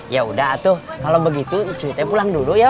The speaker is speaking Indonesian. ya udah atuh kalau begitu cuy saya pulang dulu